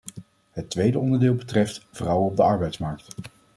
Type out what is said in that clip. Het tweede onderdeel betreft vrouwen op de arbeidsmarkt.